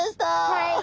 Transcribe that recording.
はい。